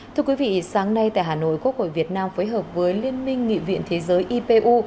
thưa quý vị sáng nay tại hà nội quốc hội việt nam phối hợp với liên minh nghị viện thế giới ipu